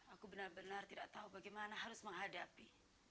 aku benar benar tidak tahu bagaimana harus menghadapi